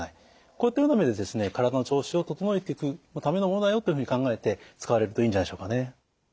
こういったような意味で体の調子を整えていくためのものだよというふうに考えて使われるといいんじゃないでしょうかね。